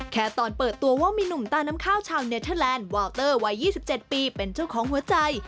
ตอนเปิดตัวว่ามีหนุ่มตาน้ำข้าวชาวเนเทอร์แลนด์วาวเตอร์วัย๒๗ปีเป็นเจ้าของหัวใจ